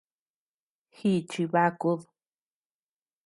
Jichi bakud.